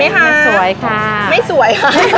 พี่ดาขายดอกบัวมาตั้งแต่อายุ๑๐กว่าขวบ